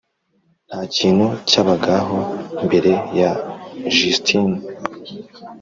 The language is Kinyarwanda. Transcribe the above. Ntakintu cyabagaho mbere ya Justin